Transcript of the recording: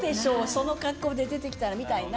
その格好で出てきたら、みたいな。